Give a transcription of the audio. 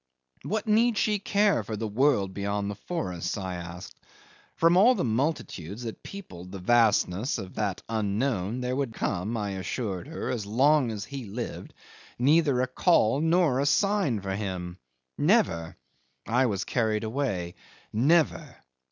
What need she care for the world beyond the forests? I asked. From all the multitudes that peopled the vastness of that unknown there would come, I assured her, as long as he lived, neither a call nor a sign for him. Never. I was carried away. Never!